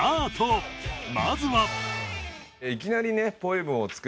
まずは